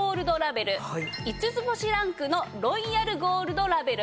５つ星ランクのロイヤルゴールドラベル。